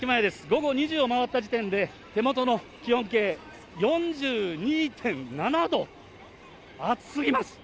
午後２時を回った時点で、手元の気温計、４２．７度、暑すぎます！